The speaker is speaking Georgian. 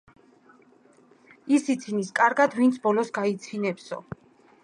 „ის იცინის კარგად, ვინც ბოლოს გაიცინებსო.“